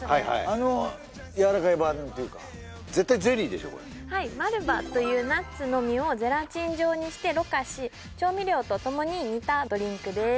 あのやわらかい版っていうかマルバというナッツの実をゼラチン状にしてろ過し調味料とともに煮たドリンクです